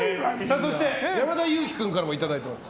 そして、山田裕貴君からもいただいています。